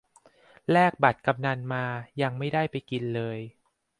แลกบัตรกำนัลมา ยังไม่ได้ไปกินเลย